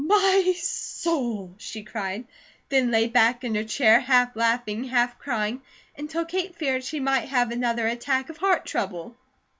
"My soul!" she cried, then lay back in her chair half laughing, half crying, until Kate feared she might have another attack of heart trouble.